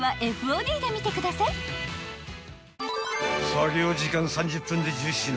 ［作業時間３０分で１０品］